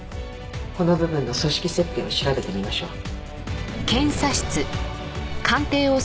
この部分の組織切片を調べてみましょう。